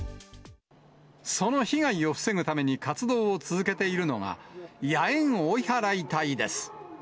その被害を防ぐために活動を続けているのが、野猿追い払い隊です。